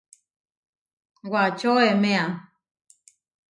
Wačo eméa.